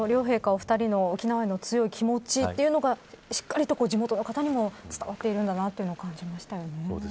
お２人の沖縄への強い気持ちというのがしっかりと地元の方にも伝わっているんだなというの感じましたね。